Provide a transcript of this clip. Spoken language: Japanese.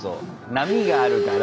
波があるから。